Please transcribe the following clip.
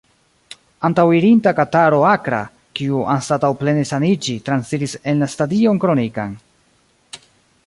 Antaŭirinta kataro akra, kiu, anstataŭ plene saniĝi, transiris en la stadion kronikan.